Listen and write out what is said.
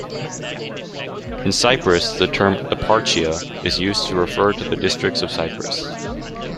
In Cyprus, the term "eparchia" is used to refer to the Districts of Cyprus.